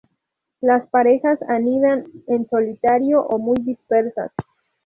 Las parejas anidan en solitario o muy dispersas.